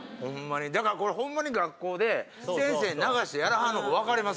だからこれホンマに学校で先生流してやらはるのが分かります。